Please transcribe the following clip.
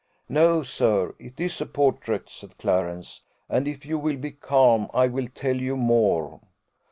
"No, sir; it is a portrait," said Clarence; "and if you will be calm, I will tell you more."